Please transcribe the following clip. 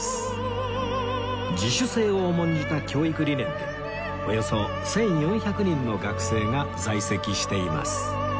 自主性を重んじた教育理念でおよそ１４００人の学生が在籍しています